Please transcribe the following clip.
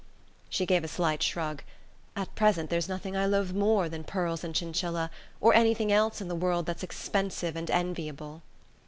She gave a slight shrug. "At present there's nothing I loathe more than pearls and chinchilla, or anything else in the world that's expensive and enviable...."